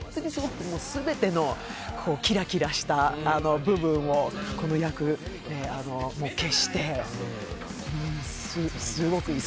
全てのキラキラした部分をこの役もう消して、すごくいい。